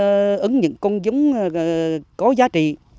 và bắt đầu làm những công dụng có giá trị